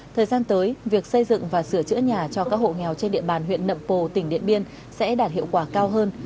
thời gian tới việc xây dựng và sửa chữa nhà cho các hộ nghèo trên địa bàn huyện nậm pồ tỉnh điện biên sẽ đạt hiệu quả cao hơn